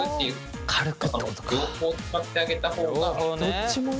どっちもね。